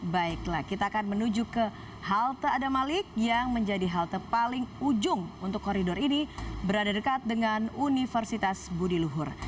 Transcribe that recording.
baiklah kita akan menuju ke halte adamalik yang menjadi halte paling ujung untuk koridor ini berada dekat dengan universitas budi luhur